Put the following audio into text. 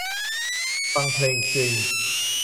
ฟังเพลงจริง